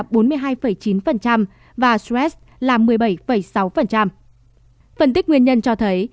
phân tích nguyên nhân cho thấy có năm mươi bảy năm nhân viên bệnh viện đã trải qua nhân viên y tế trầm cảm